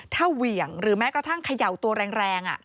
ถ้าเหวี่ยงหรือแม้กระทั่งเขย่าตัวแรง